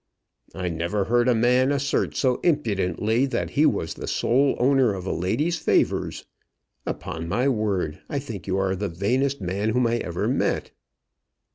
"I never heard a man assert so impudently that he was the sole owner of a lady's favours. Upon my word, I think that you are the vainest man whom I ever met."